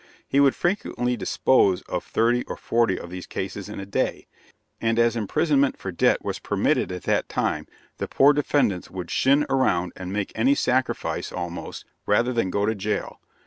He would frequently dispose of thirty or forty of these cases in a day, and as imprisonment for debt was permitted at that time, the poor defendants would "shin" around and make any sacrifice almost, rather than go to jail.